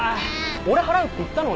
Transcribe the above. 俺払うって言ったのに。